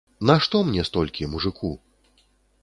Нашто мне столькі, мужыку?